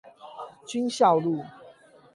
軍校路